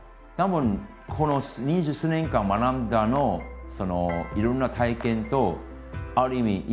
たぶんこの二十数年間学んだそのいろんな体験とある意味